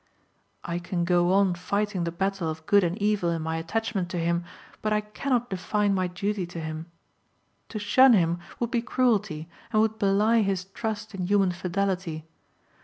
I can go on fighting the battle of good and evil in my attachment to him, but I cannot define my duty to him. To shun him would be cruelty and would belie his trust in human fidelity.